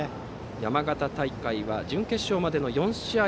山形大会は準決勝までの４試合